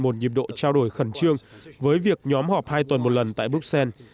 một nhịp độ trao đổi khẩn trương với việc nhóm họp hai tuần một lần tại bruxelles